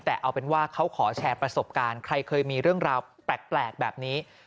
แต่เอาเป็นว่าเขาขอแชร์ประสบการณ์ใครเคยมีเรื่องราวแปลกแบบนี้